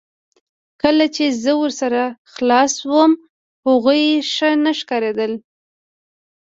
کله چې زه ورسره خلاص شوم هغوی ښه نه ښکاریدل